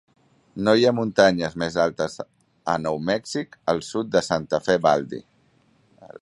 No hi ha muntanyes més altes a Nou Mèxic al sud de Santa Fe Baldy.